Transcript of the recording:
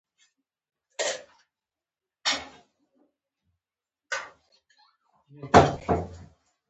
هندو راجا جیپال ته ماته ورکړه.